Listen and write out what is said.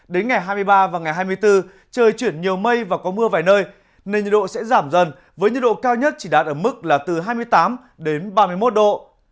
đến ngày hai mươi ba và ngày hai mươi bốn trời chuyển nhiều mây và có mưa vài nơi nên nhiệt độ sẽ giảm dần với nhiệt độ cao nhất chỉ đạt ở mức là từ hai mươi tám đến ba mươi một độ